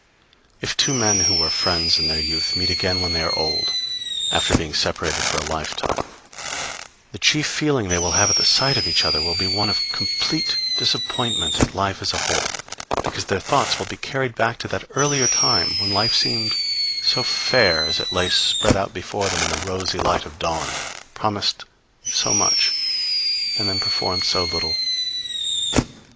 If two men who were friends in their youth meet again when they are old, after being separated for a life time, the chief feeling they will have at the sight of each other will be one of complete disappointment at life as a whole; because their thoughts will be carried back to that earlier time when life seemed so fair as it lay spread out before them in the rosy light of dawn, promised so much and then performed so little.